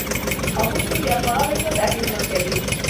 آمو سیند د افغانانو ژوند اغېزمن کوي.